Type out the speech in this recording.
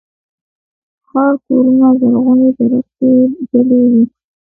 خړ کورونه زرغونې درختي دلې وې